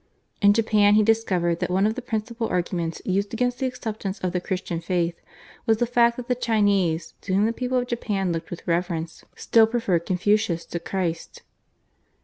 In Japan he discovered that one of the principal arguments used against the acceptance of the Christian faith was the fact that the Chinese, to whom the people of Japan looked with reverence, still preferred Confucius to Christ.